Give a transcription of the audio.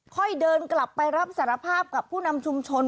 ค่อยเดินกลับไปรับสารภาพกับผู้นำชุมชน